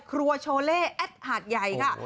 ครัวโชเล่แอดหาดใหญ่ค่ะ